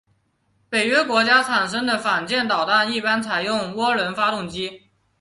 北约国家生产的反舰导弹一般采用涡轮发动机。